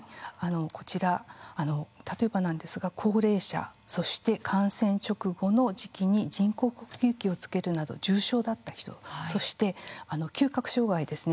こちら例えばなんですが高齢者そして感染直後の時期に人工呼吸器をつけるなど重症だった人そして嗅覚障害ですね